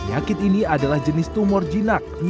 nyakit ini adalah jenis tumor jenis yang berpengaruh pada tubuhnya